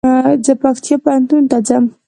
زه پکتيا پوهنتون ته ځم